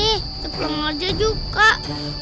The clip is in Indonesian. kita pulang aja yuk kak